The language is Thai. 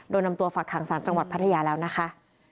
นำตัวฝากหางศาลจังหวัดพัทยาแล้วนะคะ